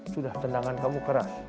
sudah tendangan kamu keras